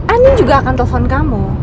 anin juga akan telepon kamu